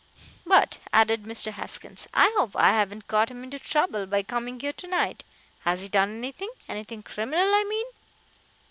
"But," added Mr. Haskins, "I hope I haven't got him into trouble by coming here to night. Has he done anything? Anything criminal, I mean?"